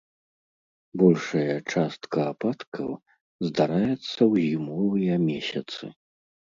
Большая частка ападкаў здараецца ў зімовыя месяцы.